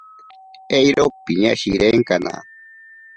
Eiro piñashirenkana.